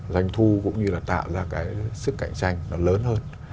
doanh thu cũng như là tạo ra cái sức cạnh tranh nó lớn hơn